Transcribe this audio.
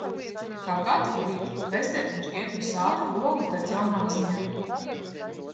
Kā katru rītu, vectētiņš iet uz Sātu krogu pēc jaunām ziņām.